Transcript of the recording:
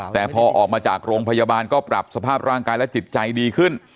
แต่พอออกมาจากโรงพยาบาลก็ปรับสภาพร่างกายและจิตใจดีขึ้น